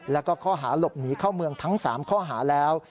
แล้วก็ข้อหาหลบหนีเข้าเมืองทั้ง๓ข้อหาแล้ว